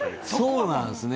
そうなんすね。